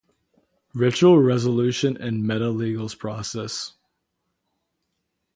Ritual resolution in Meta' Legal Process.